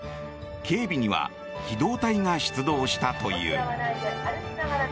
警備には機動隊が出動したという。